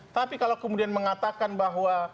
tapi kalau kemudian mengatakan bahwa